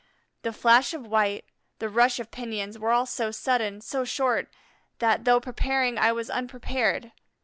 The flash of white, the rush of pinions, were all so sudden, so short, that, though preparing, I was unprepared.